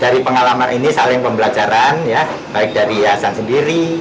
dari pengalaman ini saling pembelajaran ya baik dari yayasan sendiri